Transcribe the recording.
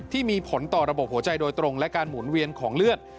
ที่มีผลต่อระบบหัวใจโดยตรงและการหมุนเวียนของเลือด